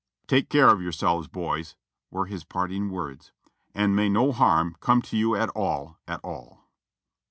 "Take care of yourselves, boys," were his parting words, "and may no harm come to you at all, at all."